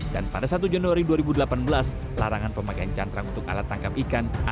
dan pada satu januari dua ribu delapan belas larangan pemakaian cantrang untuk alat tangkap cantrang berubah